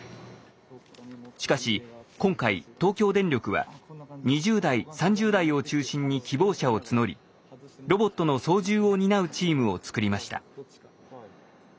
しかし今回東京電力は２０代３０代を中心に希望者を募りロボットの操縦を担うチームを作りました。